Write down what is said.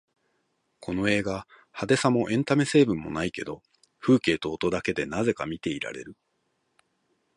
この映画、派手さもエンタメ成分もないけど風景と音だけでなぜか見ていられる